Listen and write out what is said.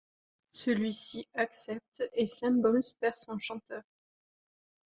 Celui-ci accepte et Symbols perd son chanteur.